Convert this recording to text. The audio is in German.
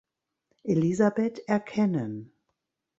Elisabeth erkennen.